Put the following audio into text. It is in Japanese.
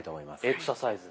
エクササイズ。